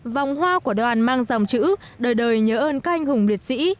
vòng hoa của đoàn mang dòng chữ đời đời nhớ ơn các anh hùng liệt sĩ